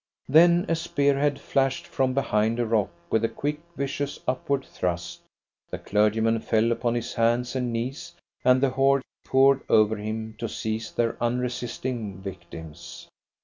Then a spear head flashed from behind a rock with a quick, vicious, upward thrust, the clergyman fell upon his hands and knees, and the horde poured over him to seize their unresisting victims.